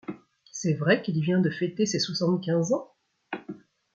C’est vrai qu’il vient de fêter ses soixante-quinze ans ?